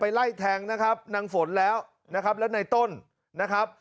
ไล่แทงนะครับนางฝนแล้วนะครับแล้วในต้นนะครับ